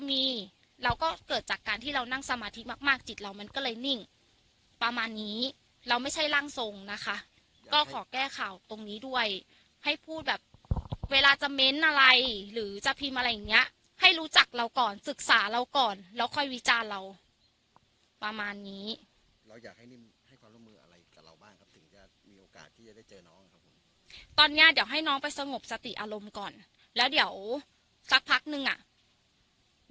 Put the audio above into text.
มีเราก็เกิดจากการที่เรานั่งสมาธิมากมากจิตเรามันก็เลยนิ่งประมาณนี้เราไม่ใช่ร่างทรงนะคะก็ขอแก้ข่าวตรงนี้ด้วยให้พูดแบบเวลาจะเม้นอะไรหรือจะพิมพ์อะไรอย่างเงี้ยให้รู้จักเราก่อนศึกษาเราก่อนแล้วค่อยวิจารณ์เราประมาณนี้เราอยากให้นิ่มให้ความร่วมมืออะไรกับเราบ้างครับถึงจะมีโอกาสที่จะได้เจอน้องครับผมตอนเนี้ยเดี๋ยวให้น้องไปสงบสติอารมณ์ก่อนแล้วเดี๋ยวสักพักนึงอ่ะ